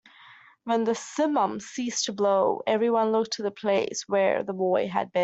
When the simum ceased to blow, everyone looked to the place where the boy had been.